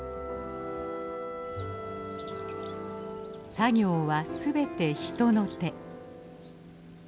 作業は全て人の手。